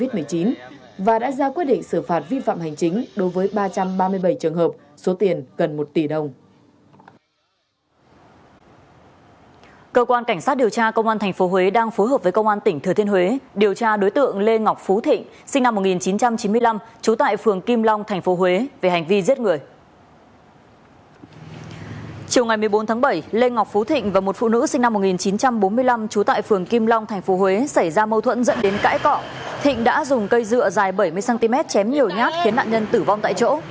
thịnh đã dùng cây dựa dài bảy mươi cm chém nhiều nhát khiến nạn nhân tử vong tại chỗ